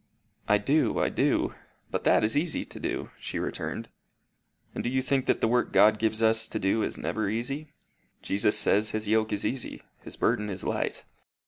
"I do, I do. But that is easy to do," she returned. "And do you think that the work God gives us to do is never easy? Jesus says his yoke is easy, his burden is light.